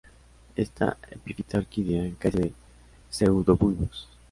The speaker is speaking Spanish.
Esta epifita orquídea carece de pseudobulbos.